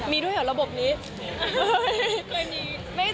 มีด้วยเหรอระบบนี้